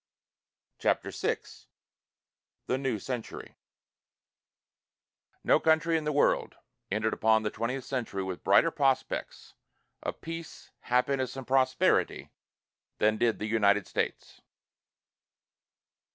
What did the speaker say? CHAPTER VI THE NEW CENTURY No country in the world entered upon the twentieth century with brighter prospects of peace, happiness, and prosperity than did the United States.